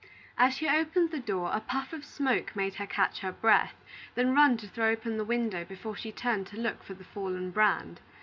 As she opened the door, a puff of smoke made her catch her breath, then run to throw open the window before she turned to look for the fallen brand.